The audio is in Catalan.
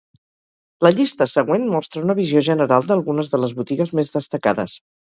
La llista següent mostra una visió general d'algunes de les botigues més destacades.